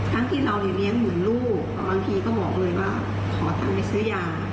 ที่เราเลี้ยงเหมือนลูกบางทีก็บอกเลยว่าขอตังค์ไปซื้อยา